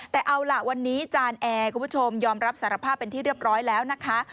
แต่เอาล่ะวันนี้จานแอร์คุณผู้ชมยอมรับสารภาพเป็นที่เรียบร้อยแล้วนะคะ